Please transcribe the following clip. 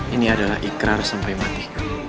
ini adalah ikrar sampai mati